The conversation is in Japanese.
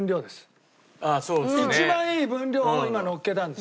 一番いい分量を今のっけたんです。